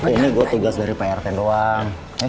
ini gue tugas dari prt doang